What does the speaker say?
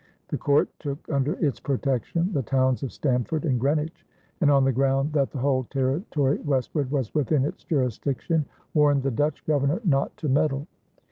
The court took under its protection the towns of Stamford and Greenwich, and on the ground that the whole territory westward was within its jurisdiction warned the Dutch governor not to meddle.